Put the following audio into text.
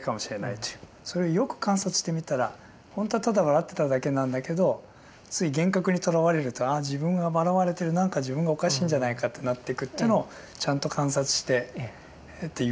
それをよく観察してみたらほんとはただ笑ってただけなんだけどつい幻覚にとらわれるとああ自分が笑われてる何か自分がおかしいんじゃないかってなっていくっていうのをちゃんと観察してという。